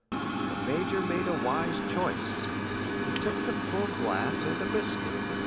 The major made a wise choice; he took the full glass and a biscuit.